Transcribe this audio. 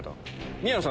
宮野さん